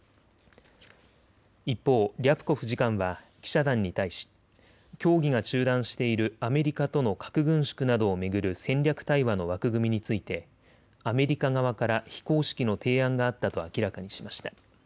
一方、リャプコフ次官は記者団に対し協議が中断しているアメリカとの核軍縮などを巡る戦略対話の枠組みについてアメリカ側から非公式の提案があったと明らかにしました。